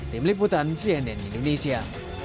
tim liputan cnn indonesia